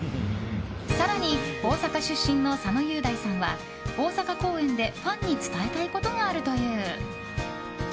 更に大阪出身の佐野雄大さんは大阪公演で、ファンに伝えたいことがあるという。